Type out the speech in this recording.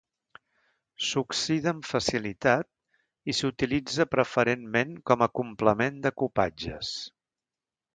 S'oxida amb facilitat i s'utilitza preferentment com a complement de cupatges.